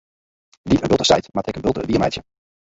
Dy't in bulte seit, moat ek in bulte wiermeitsje.